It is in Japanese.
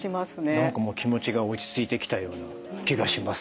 何かもう気持ちが落ち着いてきたような気がします。